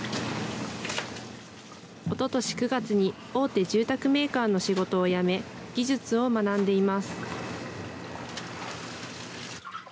おととし９月に大手住宅メーカーの仕事を辞め、技術を学んでいます。